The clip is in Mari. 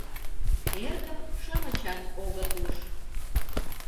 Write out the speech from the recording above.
Эргым-шамычат огыт уж.